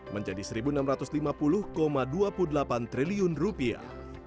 menjadi satu enam ratus lima puluh dua puluh delapan triliun rupiah